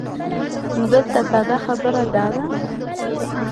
نو دلته ساده خبره دا ده